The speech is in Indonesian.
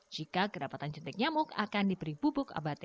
jika kedapatan centik nyamuk akan diberi bubuk abate